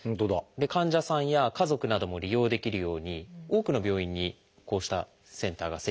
患者さんや家族なども利用できるように多くの病院にこうしたセンターが設置されているんです。